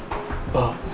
dan kami segera pamitkan